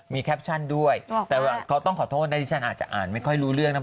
มีแคปชั่นด้วยแต่ว่าเขาต้องขอโทษนะที่ฉันอาจจะอ่านไม่ค่อยรู้เรื่องนะ